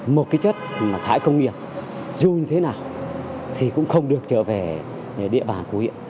một cái chất mà thải công nghiệp dù như thế nào thì cũng không được trở về địa bàn của huyện